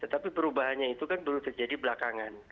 tetapi perubahannya itu kan dulu terjadi belakangan